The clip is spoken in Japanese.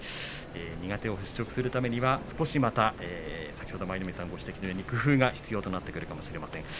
苦手を払拭するためには舞の海さんご指摘のように工夫が必要になってくるかもしれません。